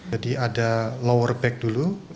jadi ada lower back dulu